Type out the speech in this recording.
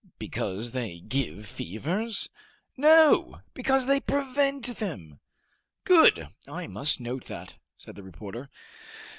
'" "Because they give fevers?" "No, because they prevent them!" "Good. I must note that," said the reporter.